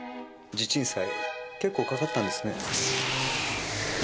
地鎮祭結構かかったんですね。